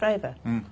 うん。